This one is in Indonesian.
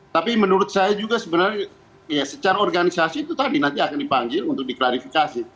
tapi menurut saya juga sebenarnya ya secara organisasi itu tadi nanti akan dipanggil untuk diklarifikasi